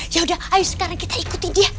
ya udah ayo sekarang kita ikuti dia